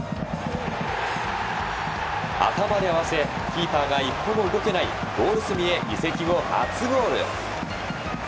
頭で合わせキーパーが一歩も動けないゴール隅へ移籍後初ゴール！